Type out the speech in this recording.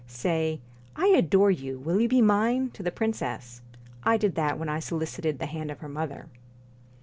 Say : I adore you will you be mine ? to the princess. I did that when I solicited the hand of her mother.'